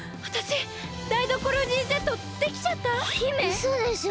うそでしょ？